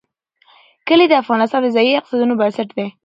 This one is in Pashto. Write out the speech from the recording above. کلي د افغانستان د ځایي اقتصادونو بنسټ دی.